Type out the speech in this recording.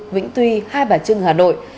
vĩnh tuy hai bà trưng hà nội